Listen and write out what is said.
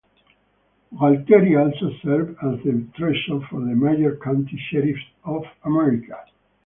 Gualtieri also serves as the treasurer for the Major County Sheriffs of America.